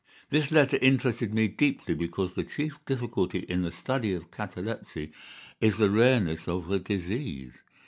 "This letter interested me deeply, because the chief difficulty in the study of catalepsy is the rareness of the disease.